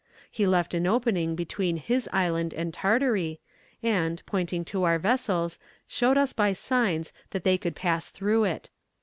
He left an opening between his island and Tartary, and, pointing to our vessels, showed us by signs that they could pass through it.